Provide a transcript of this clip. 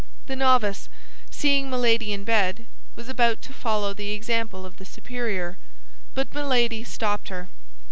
The novice, seeing Milady in bed, was about to follow the example of the superior; but Milady stopped her.